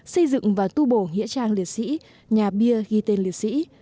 xây dựng và tu bổ nghĩa trang liệt sĩ nhà bia ghi tên liệt sĩ